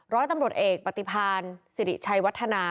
ร้อยตำรวจเอกปฏิพานสิริชัยวัฒนา